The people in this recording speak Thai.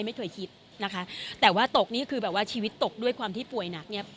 ไม่เคยคิดนะคะแต่ว่าตกนี่คือชีวิตตกด้วยความที่ป่วยหนัก